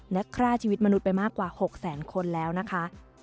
และฆ่าชีวิตมนุษย์ไปมากกว่า๖แสนคนแล้วนะคะ